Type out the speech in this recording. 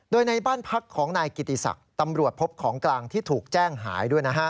โดยในบ้านพักของนายกิติศักดิ์ตำรวจพบของกลางที่ถูกแจ้งหายด้วยนะฮะ